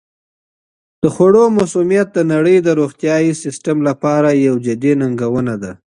د خوړو مسمومیت د نړۍ د روغتیايي سیستم لپاره یوه جدي ننګونه ده.